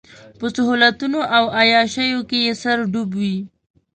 په سهولتونو او عياشيو کې يې سر ډوب وي.